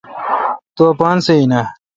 تو اپان سہ این اؘ